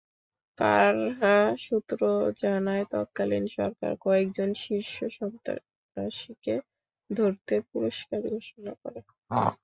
কারা সূত্র জানায়, তৎকালীন সরকার কয়েকজন শীর্ষ সন্ত্রাসীকে ধরতে পুরস্কার ঘোষণা করে।